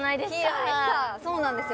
そうなんですよ